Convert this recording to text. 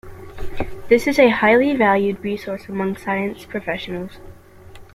This is a highly valued resource amongst science professionals.